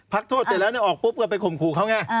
พักโทษเสร็จแล้วออกปุ๊บก็ไปข่มขู่เขาไง